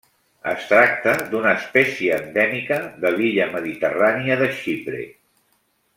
Es tracta d'una espècie endèmica de l'illa mediterrània de Xipre.